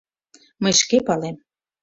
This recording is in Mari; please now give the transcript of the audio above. Мый шке палем!..